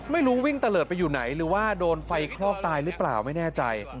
ไม่รู้วิ่งตะเลิศไปอยู่ไหนหรือว่าโดนไฟคลอกตายหรือเปล่าไม่แน่ใจ